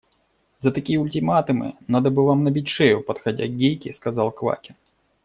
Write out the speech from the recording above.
– За такие ультиматумы надо бы вам набить шею, – подходя к Гейке, сказал Квакин.